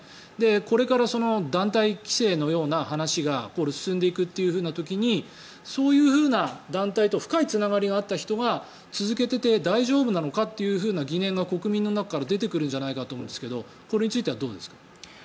これから団体規制のような話が進んでいくという時にそういう団体と深いつながりがあった人が続けていて大丈夫なのかという疑念が国民の中から出てくるんじゃないかと思いますがこれについてはどうですか？